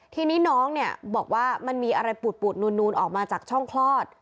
ทีนี้น้องเนี่ยบอกว่ามันมีอะไรปูดนูนออกมาจากช่องคลอด